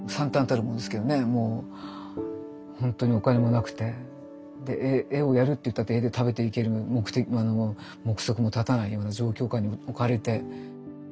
ほんとにお金もなくて絵をやるっていったって絵で食べていける目測も立たないような状況下に置かれて。